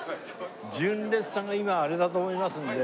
純烈さんが今あれだと思いますんで。